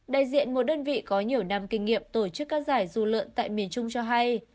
đại diện một đơn vị có nhiều năm kinh nghiệm tổ chức các giải dù lợn tại miền trung cho hay